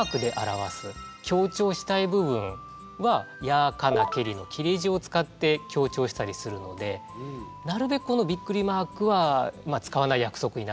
強調したい部分は「や・かな・けり」の切れ字を使って強調したりするのでなるべくこの「！」は使わない約束になっていると。